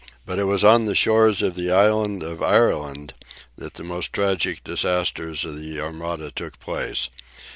But it was on the shores of the "island of Ireland" that the most tragic disasters of the Armada took place.